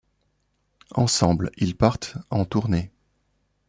Ensemble, ils partent en tournée.